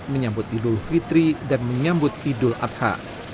menyambut idul fitri dan menyambut idul adha